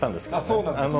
そうなんですね。